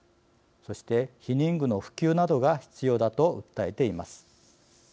そして避妊具の普及などが必要だと訴えています。